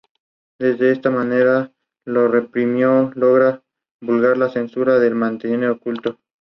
Eran animales de complexión delgada y ágiles.